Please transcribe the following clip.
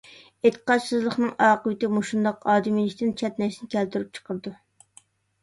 ئېتىقادسىزلىقنىڭ ئاقىۋىتى مۇشۇنداق ئادىمىيلىكتىن چەتنەشنى كەلتۈرۈپ چىقىرىدۇ!